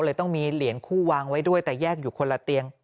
ต้องมีเหรียญคู่วางไว้ด้วยแต่แยกอยู่คนละเตียง